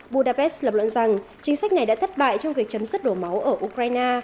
budapest lập luận rằng chính sách này đã thất bại trong việc chấm dứt đổ máu ở ukraine